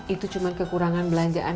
itu cuma kekurangan belanjaan